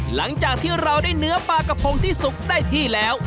หลังจากที่เราได้เนื้อปลากระพงที่สุกได้ที่แล้ว